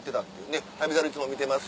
で「『旅猿』いつも見てます」